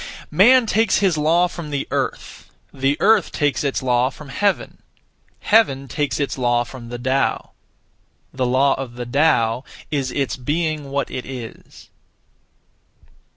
Man takes his law from the Earth; the Earth takes its law from Heaven; Heaven takes its law from the Tao. The law of the Tao is its being what it is.